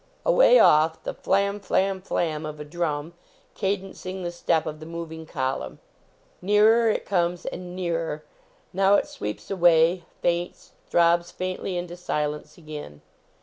Away off the flam, flam, flam, of a drum, cadencing the step of the moving .column. Nearer it comes; and nearer; now it sweeps away ; faints ; throbs faintly into silence again.